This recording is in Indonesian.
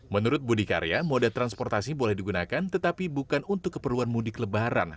menurut budi karya moda transportasi boleh digunakan tetapi bukan untuk keperluan mudik lebaran